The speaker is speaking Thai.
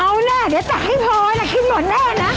เอาหน่าเดี๋ยวตักให้พอนะชิมหมดหน้านะ